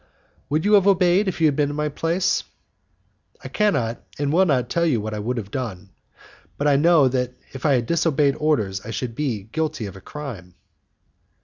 "Would you have obeyed, if you had been in my place?" "I cannot and will not tell you what I would have done, but I know that if I had disobeyed orders I should have been guilty of a crime."